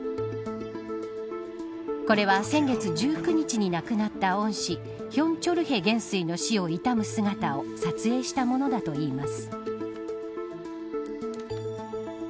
これは先月１９日に亡くなった恩師玄哲海元帥の死を悼む姿を撮影したものだといいます。